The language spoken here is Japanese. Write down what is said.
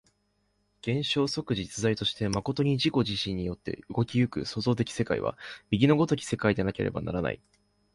現象即実在として真に自己自身によって動き行く創造的世界は、右の如き世界でなければならない。